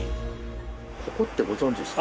ここってご存じですか？